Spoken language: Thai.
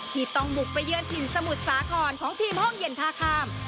ที่ต้องบุกไปเยือนถิ่นสมุทรสาครของทีมห้องเย็นท่าข้าม